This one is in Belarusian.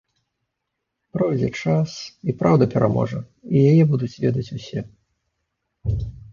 Пройдзе час, і праўда пераможа, і яе будуць ведаць усе.